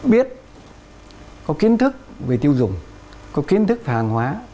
biết có kiến thức về tiêu dùng có kiến thức về hàng hóa